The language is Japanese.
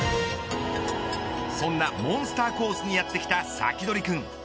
そんなモンスターコースにやってきたサキドリくん。